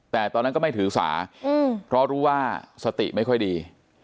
แต่ตอนนั้นก็ไม่ถือสาเพราะรู้ว่าสติไม่ค่อยดี